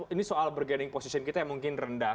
ini soal bergaining position kita yang mungkin rendah